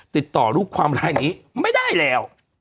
ติดต่อลูกความรายนี้ไม่ได้แล้ว